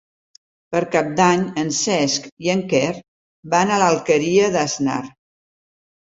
Per Cap d'Any en Cesc i en Quer van a l'Alqueria d'Asnar.